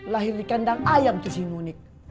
lahir di kandang ayam tuh si nunik